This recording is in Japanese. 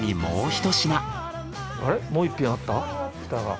もう一品あった？